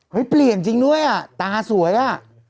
เปลี่ยนจริงด้วยอ่ะตาสวยอ่ะ